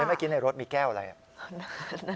เมื่อกี้ในรถมีแก้วอะไร